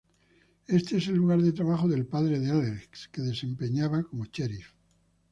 Este es el lugar de trabajo del padre de Alex, que desempeñaba como Sheriff.